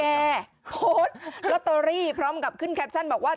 โพสต์ลอตเตอรี่พร้อมกับขึ้นแคปชั่นบอกว่า